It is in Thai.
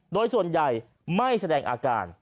โดยส่วนใหญ่ไม่แสดงอาการ